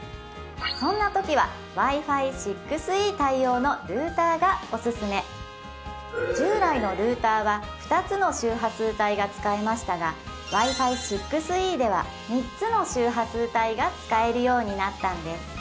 そんなときはＷｉ−Ｆｉ６Ｅ対応のルーターがおすすめ従来のルーターは２つの周波数帯が使えましたがＷｉ−Ｆｉ６Ｅでは３つの周波数帯が使えるようになったんです